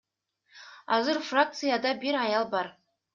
Азыр фракцияда бир аял бар.